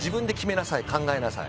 考えなさい。